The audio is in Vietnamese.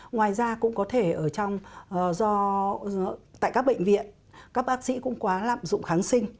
ngoài ra cũng có thể ở trong tại các bệnh viện các bác sĩ cũng quá lạm dụng kháng sinh